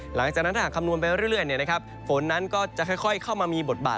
หลังจากนั้นถ้าหากคำนวณไปเรื่อยฝนนั้นก็จะค่อยเข้ามามีบทบาท